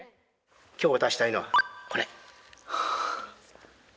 今日わたしたいのはこれ。